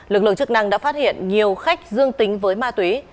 lực lượng chức năng đã phát hiện nhiều khách dương tính với ma túy